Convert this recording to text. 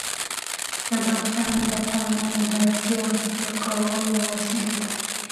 بدخشان د افغانانو د اړتیاوو د پوره کولو وسیله ده.